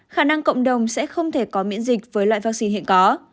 khả năng cộng đồng sẽ không thể có miễn dịch với loại vaccine hiện có